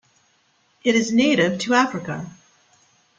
It is native to Africa.